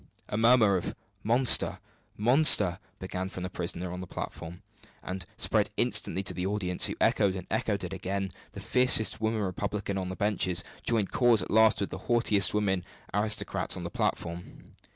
A murmur of "Monster! monster!" began with the prisoners on the platform, and spread instantly to the audience, who echoed and echoed it again; the fiercest woman republican on the benches joined cause at last with the haughtiest woman aristocrat on the platform.